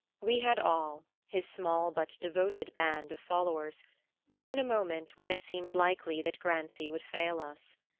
We had all his small but devoted band of followers known a moment when it seemed likely that Grancy would fail us.